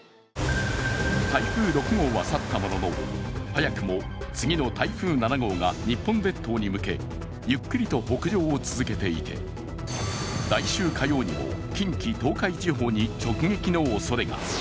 台風６号は去ったものの早くも次の台風７号が日本列島に向け、ゆっくりと北上を続けていて来秋火曜には、近畿・東海地方に直撃のおそれが。